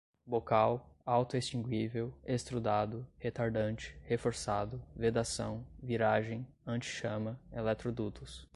bocal, autoextinguível, extrudado, retardante, reforçado, vedação, viragem, antichama, eletrodutos